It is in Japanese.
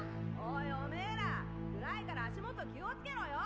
おいオメーら暗いから足元気をつけろよ。